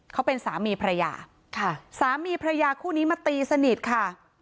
เขาเป็นสามีภรรยาค่ะสามีพระยาคู่นี้มาตีสนิทค่ะ